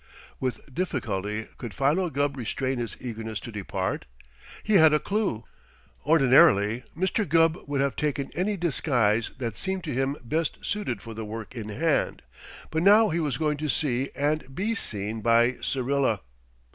With difficulty could Philo Gubb restrain his eagerness to depart. He had a clue! Ordinarily Mr. Gubb would have taken any disguise that seemed to him best suited for the work in hand; but now he was going to see and be seen by Syrilla!